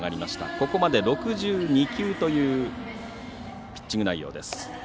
ここまで６２球というピッチング内容です。